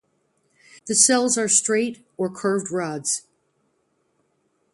The cells are straight or curved rods.